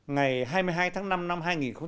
ngày hai mươi hai tháng năm năm hai nghìn một mươi chín